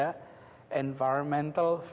sistem yang terbaik